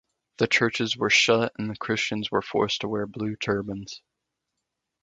The churches were shut and the Christians were forced to wear blue turbans.